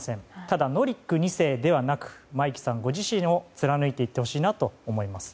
ただ、ノリック２世ではなく真生騎さんご自身を貫いていってほしいなと思います。